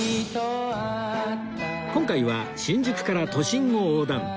今回は新宿から都心を横断